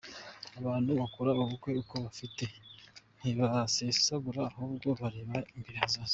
Abantu bakore ubukwe uko bifite ntibasesagure ahubwo barebe imbere hazaza.